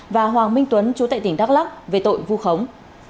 và hoàng minh tuấn chú tại tỉnh đắk lắc về tội vu khống